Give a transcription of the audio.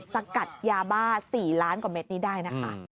สกัดยาบ้า๔ล้านกว่าเม็ดนี้ได้นะคะ